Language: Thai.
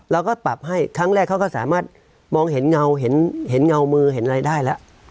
เราก็ปรับให้ครั้งแรกเขาก็สามารถมองเห็นเงาเห็นเงามือเห็นอะไรได้แล้ว